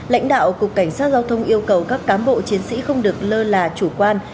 lãnh đạo cục cảnh sát giao thông yêu cầu các cán bộ chiến sĩ không được lơ là chủ quan